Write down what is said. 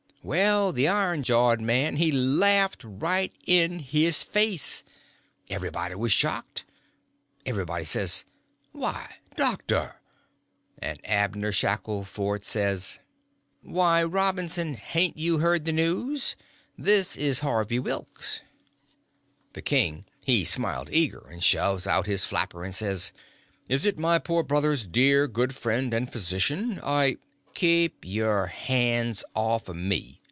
Well, the iron jawed man he laughed right in his face. Everybody was shocked. Everybody says, "Why, doctor!" and Abner Shackleford says: "Why, Robinson, hain't you heard the news? This is Harvey Wilks." The king he smiled eager, and shoved out his flapper, and says: "Is it my poor brother's dear good friend and physician? I—" "Keep your hands off of me!"